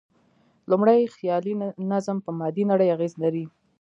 لومړی، خیالي نظم په مادي نړۍ اغېز لري.